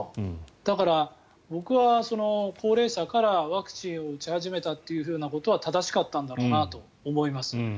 だから、僕は高齢者からワクチンを打ち始めたということは正しかったんだろうなと思います。